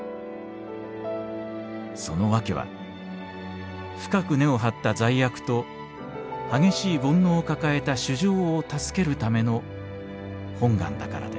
「そのわけは深く根を張った罪悪と激しい煩悩を抱えた衆生を助けるための本願だからです」。